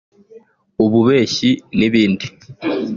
ububeshyi n’ibindi